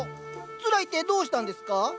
つらいってどうしたんですか？